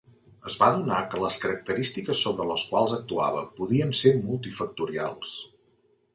Es va adonar que les característiques sobre les quals actuava podien ser multifactorials.